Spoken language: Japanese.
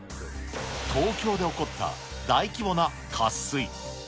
東京で起こった大規模な渇水。